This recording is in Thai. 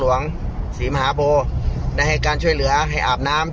หลวงศรีมหาโบได้ให้การช่วยเหลือให้อาบน้ำ